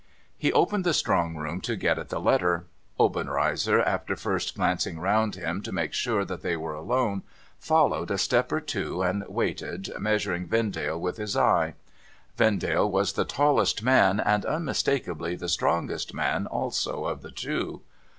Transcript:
He opened the strong room to get at the letter. Obenreizer, after first glancing round him to make sure that they were alone, followed a step or two and waited, measuring Vendale with his eye. Vendale was the tallest man, and unmistakably the strongest man also of the two.